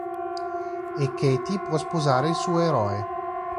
E Katie può sposare il suo eroe.